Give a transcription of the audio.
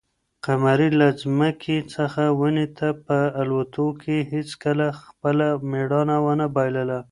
قمرۍ له ځمکې څخه ونې ته په الوتلو کې هیڅکله خپله مړانه ونه بایلله.